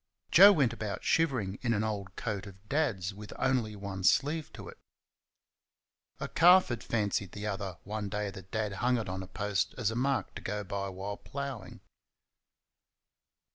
Joe went about shivering in an old coat of Dad's with only one sleeve to it a calf had fancied the other one day that Dad hung it on a post as a mark to go by while ploughing.